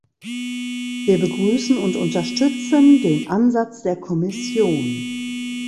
Wir begrüßen und unterstützen den Ansatz der Kommission.